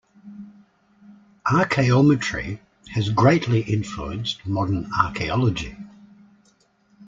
Archaeometry has greatly influenced modern archaeology.